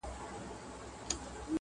زما له زوره ابادیږي لوی ملکونه؛